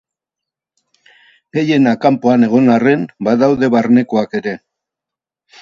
Gehienak kanpoan egon arren, badaude barnekoak ere.